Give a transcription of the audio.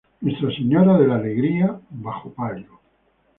Nuestra Señora de la Alegría bajo palio.